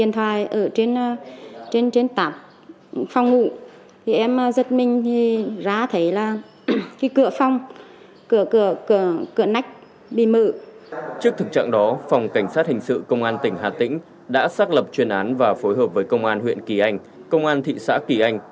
trước thực trạng đó phòng cảnh sát hình sự công an tỉnh hà tĩnh đã xác lập chuyên án và phối hợp với công an huyện kỳ anh công an thị xã kỳ anh